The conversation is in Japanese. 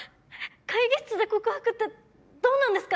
会議室で告白ってどうなんですか！